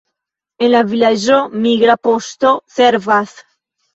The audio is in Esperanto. En la vilaĝo migra poŝto servas.